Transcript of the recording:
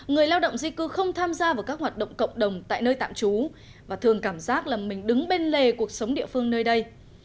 người lao động di cư không tham gia vào các hoạt động cộng đồng tại nơi tạm trú và thường cảm giác là mình đứng bên lề cuộc sống địa phương nơi đây